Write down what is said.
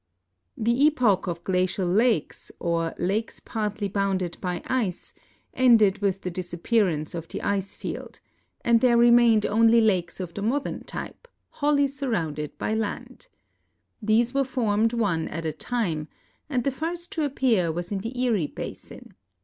The epoch of glacial lakes, or lakes partly bounded by ice. ended with the disappearance of the ice field, and there remained only lakes of the modern type, wholly surrounded b)' land. These were formed one at a time, and the first to appear was in the Erie basin.